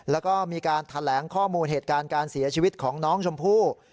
แล้วก็มีการแถลงข้อมูลเหตุการณ์การเสียชีวิตของน้องชมพู่